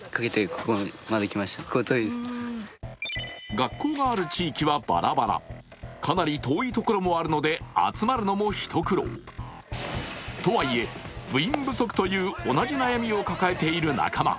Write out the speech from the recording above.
学校がある地域はバラバラかなり遠いところもあるので集まるのも一苦労。とはいえ、部員不足という同じ悩みを抱えている仲間。